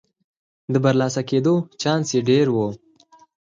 د برلاسه کېدو چانس یې ډېر و.